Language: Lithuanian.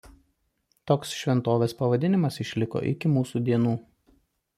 Toks šventovės pavadinimas išliko iki mūsų dienų.